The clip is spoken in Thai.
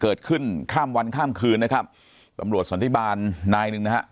เกิดขึ้นข้ามวันข้ามคืนนะครับตำรวจสันติบาลนายหนึ่งนะฮะ